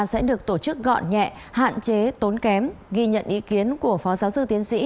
sẽ được tổ chức gọn nhẹ hạn chế tốn kém ghi nhận ý kiến của phó giáo sư tiến sĩ